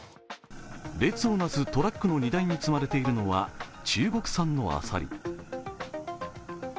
列をなすトラックの荷台に積まれているのは中国産のアサリ。